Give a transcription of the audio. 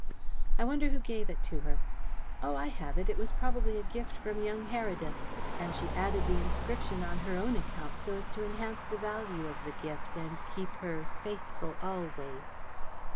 I wonder who gave it to her? Oh, I have it! It was probably a gift from young Heredith, and she added the inscription on her own account so as to enhance the value of the gift and keep her 'Faithful Always.'"